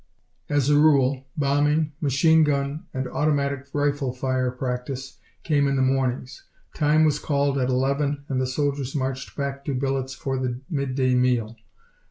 As a rule, bombing, machine gun, and automatic rifle fire practice came in the mornings. Time was called at eleven and the soldiers marched back to billets for the midday meal.